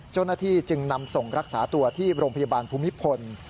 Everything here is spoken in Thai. เจ้าหน้าที่จึงนำส่งรักษาตัวที่โรงพยาบาลภูมิพล